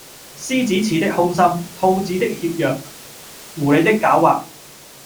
獅子似的凶心，兔子的怯弱，狐狸的狡猾，……